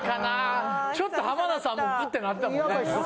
ちょっと浜田さんもグッてなってたもんね。